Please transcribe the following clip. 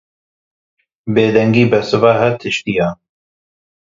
Bêdengî, bersiva her tiştî ye.